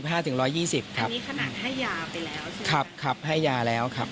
อันนี้ขนาดให้ยาไปแล้วใช่ไหมครับครับให้ยาแล้วครับ